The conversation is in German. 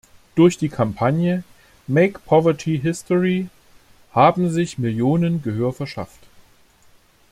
Durch die Kampagne "Make Poverty History" haben sich Millionen Gehör verschafft.